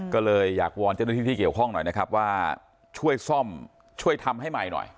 ก็เลยอยากวอนเจ้าหน้าที่ที่เกี่ยวข้องหน่อยนะครับว่าช่วยซ่อมช่วยทำให้ใหม่หน่อย